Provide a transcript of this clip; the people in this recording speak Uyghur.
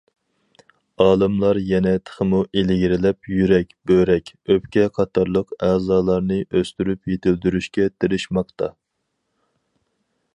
ئالىملار يەنە تېخىمۇ ئىلگىرىلەپ يۈرەك، بۆرەك، ئۆپكە قاتارلىق ئەزالارنى ئۆستۈرۈپ يېتىلدۈرۈشكە تىرىشماقتا.